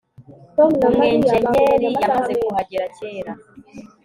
umwenjenyeri yamaze kuhagera kera